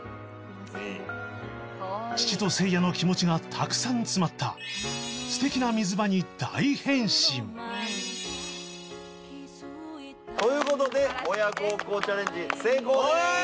父とせいやの気持ちがたくさん詰まった素敵な水場に大変身！という事で親孝行チャレンジ成功です！